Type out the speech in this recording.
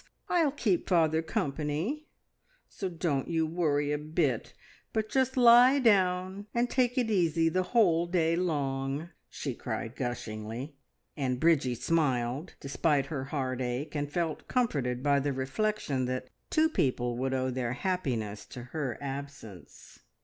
I'll keep father company, so don't you worry a bit, but just lie down and take it easy the whole day long," she cried gushingly; and Bridgie smiled, despite her heartache, and felt comforted by the reflection that two people would owe their happiness to her absence.